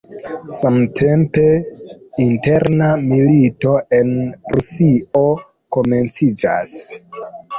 Samtempe, interna milito en Rusio komenciĝas.